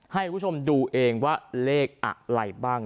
ให้คุณผู้ชมดูเองว่าเลขอะไรบ้าง